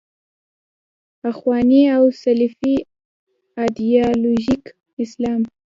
اخواني او سلفي ایدیالوژیک اسلام.